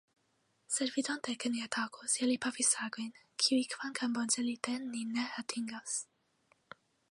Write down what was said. Sed vidante, ke ni atakos, ili pafis sagojn, kiuj kvankam boncelite, nin ne atingas.